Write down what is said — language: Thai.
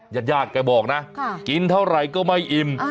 ญาติญาติแกบอกนะกินเท่าไหร่ก็ไม่อิ่ม